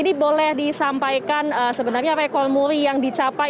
ini boleh disampaikan sebenarnya rekor muri yang dicapai